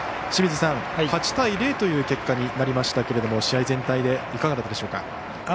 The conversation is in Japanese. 清水さん、８対０という結果になりましたけれども試合全体でいかがだったでしょうか？